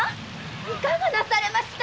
いかがなされました